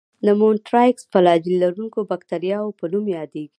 د مونټرایکس فلاجیل لرونکو باکتریاوو په نوم یادیږي.